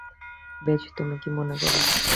বেশ, তুমি কি মনে করো?